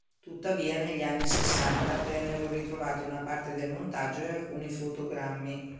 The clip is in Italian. Tuttavia negli anni Sessanta vennero ritrovati una parte del montaggio e alcuni fotogrammi.